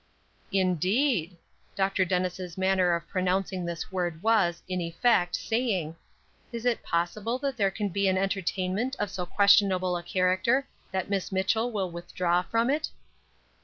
"Indeed!" Dr. Dennis' manner of pronouncing this word was, in effect, saying, "Is it possible that there can be an entertainment of so questionable a character that Miss Mitchell will withdraw from it?"